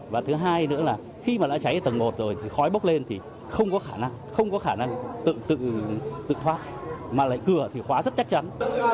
và thứ hai nữa là khi mà đã cháy ở tầng một rồi thì khói bốc lên thì không có khả năng không có khả năng tự thoát mà lại cửa thì khóa rất chắc chắn